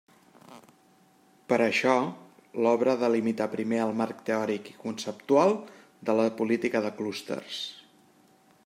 Per això, l'obra delimita primer el marc teòric i conceptual de la política de clústers.